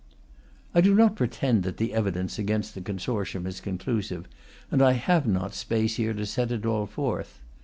I do not pretend that the evidence against the consortium is conclusive, and I have not space here to set it all forth.